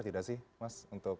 tidak sih mas